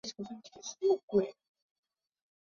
录影真的超耗电